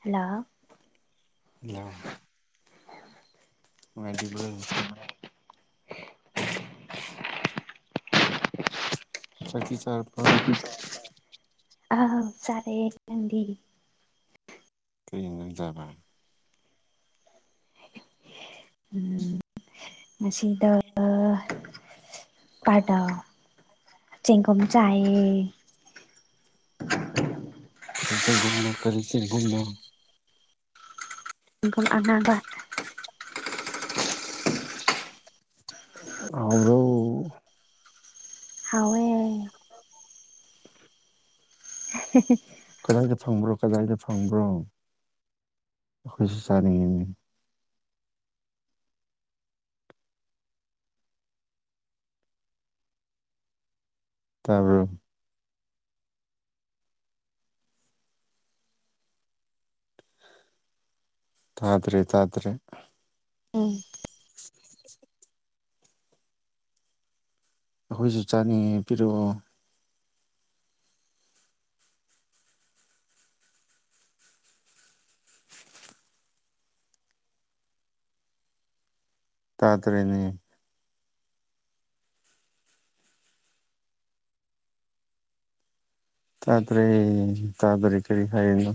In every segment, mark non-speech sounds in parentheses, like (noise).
hello hello ꯃꯣꯏꯥꯏꯗꯤꯕ꯭ꯔꯒ ꯆꯈꯤ ꯆꯠ ꯑ ꯁꯔꯦꯗꯤ ꯀꯔꯤꯅ ꯆꯕꯦ ꯎꯝ ꯃꯁꯤꯗ ꯄꯥꯇ ꯆꯦꯡꯒꯝ ꯆꯌꯦ (unintelligible) ꯀꯔꯤꯦ ꯨꯝ ꯀꯔꯤ ꯀ ꯨꯝꯣ ꯜ ꯑꯅꯥꯕ ꯍꯧꯗꯣ ꯍꯋꯦ (unintelligible) ꯀꯗꯥꯏꯗ ꯐꯪꯕ꯭ꯔꯣ ꯀꯗꯥꯏꯗ ꯐꯪꯕ꯭ꯔꯣ ꯑꯩꯈꯣꯏꯁꯨ ꯆꯥꯅꯤꯡꯉꯤꯅꯦ ꯇꯔꯕ ꯇꯥꯗ꯭ꯔꯦ ꯇꯥꯇ꯭ꯔꯦ ꯎꯝ (unintelligible) ꯑꯩꯈꯣꯏꯁꯨ ꯆꯥꯅꯤꯌꯦ ꯄꯤꯔꯛꯑꯣ ꯇꯥ ꯇꯔꯅꯤ ꯇꯥꯄꯔꯦ ꯇꯥꯄꯔꯦ ꯀꯔꯤ ꯍꯥꯏꯅꯣ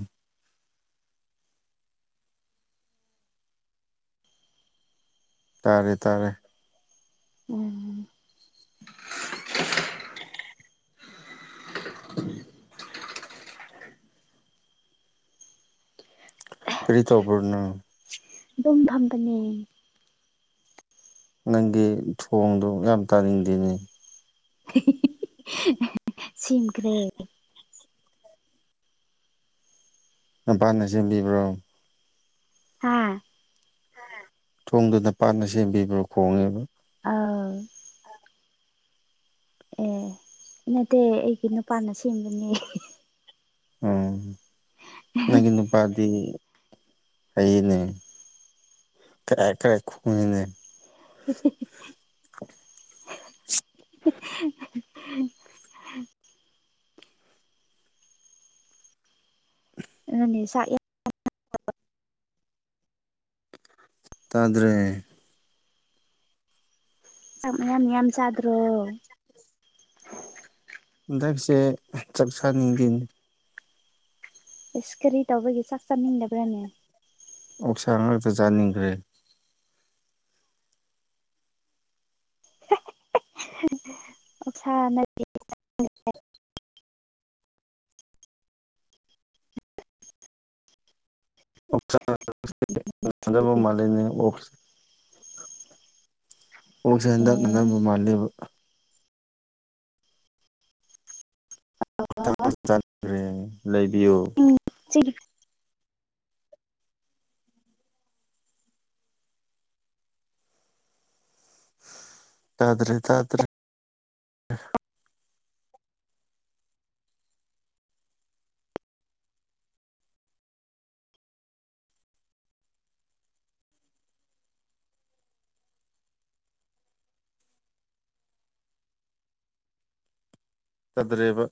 ꯇꯥꯔꯦ ꯇꯥꯔꯦ ꯎꯝ ꯀꯔꯤ ꯇꯄꯅ ꯑꯗꯨꯝ ꯐꯝꯕꯅꯦ ꯅꯪꯒꯤ ꯊꯣꯡꯗꯨ ꯌꯥꯝ ꯇꯥꯅꯤꯡꯗꯦꯅꯤ ꯁꯤꯝꯈ꯭ꯔꯦ ꯃꯄꯥꯥꯟꯅ ꯁꯦꯝꯕꯤꯕ꯭ꯔꯣ ꯍꯥꯥ ꯊꯣꯡꯗꯨꯅ ꯄꯥꯟꯅ ꯁꯦꯝꯕꯤꯕ꯭ꯔꯣ ꯈꯣꯡꯉꯦꯕ ꯑꯥ ꯅꯠꯇꯦ ꯑꯩꯒꯤ ꯅꯨꯄꯥꯅ ꯁꯦꯝꯕꯅꯦ ꯑꯣ ꯅꯪꯒꯤ ꯅꯨꯄꯥꯗꯤ ꯑꯩꯅꯦ ꯀ ꯀꯔꯦ ꯈꯅꯤꯅꯦ (unintelligible) ꯑꯗꯨꯅꯦꯥꯛ ꯌꯥꯝ ꯇꯗꯔꯦ ꯆ ꯃꯌꯥꯝ ꯌꯥꯝ ꯆꯥꯗ꯭ꯔꯣ ꯍꯟꯗꯛꯁꯦ ꯆꯥꯛ ꯆꯥꯅꯤꯡꯗꯤꯅꯤ ꯑꯦꯁ ꯀꯔꯤ ꯇꯧꯕꯒꯤꯦ ꯆꯥꯛ ꯆꯥꯅꯤꯡꯗꯕ꯭ꯔꯥꯅꯦ ꯑꯣꯁꯥ ꯉꯇ ꯆꯥꯅꯤꯡꯈ꯭ꯔꯦ ꯑꯣꯁꯥꯅ ꯃꯥ ꯂꯩꯅꯦ ꯄꯣꯡꯁꯦ ꯍꯟꯗꯛꯅ ꯅꯝꯕ ꯑꯦ ꯃꯥꯜꯜꯂꯤꯕ ꯈ꯭ꯔꯦ ꯂꯩꯕꯤꯌꯨ ꯇꯥꯗꯔꯦ ꯇꯥꯗꯔꯦ ꯇꯗ꯭ꯔꯕ